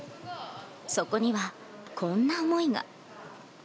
そこにはこんな思いが。